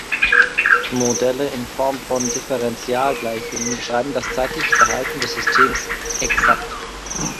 Modelle in Form von Differenzialgleichungen beschreiben das zeitliche Verhalten des Systems exakt.